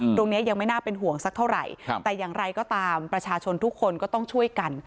ตรงนี้ยังไม่น่าเป็นห่วงสักเท่าไหร่แต่อย่างไรก็ตามประชาชนทุกคนก็ต้องช่วยกัน